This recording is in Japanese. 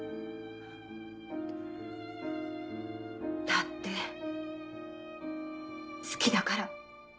だって好きだから。